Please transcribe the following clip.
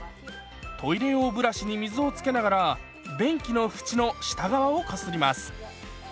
トイレ用ブラシに水をつけながら便器の縁の下側をこすります。